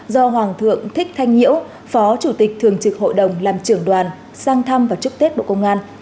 do hoàng thượng thích thanh nhiễu phó chủ tịch thường trực hội đồng làm trưởng đoàn sang thăm và chúc tết bộ công an